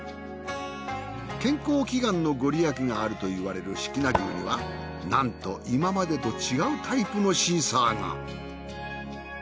健康祈願の御利益があると言われる識名宮にはなんと今までと違うタイプのシーサーが。